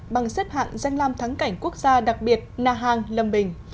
bằng xếp hạng danh lam thắng cảnh quốc gia đặc biệt na hàng lâm bình